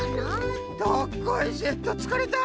どっこいせっとつかれた。